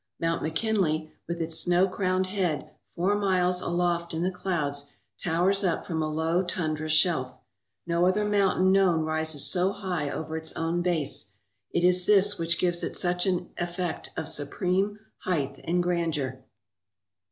Mount McKinley, with its snow crowned head four miles aloft iri the clouds, towers up from a low tundra shelf. No other mountain known rises so high over its own base. It is this which gives it such an effect of supreme height and grandeur.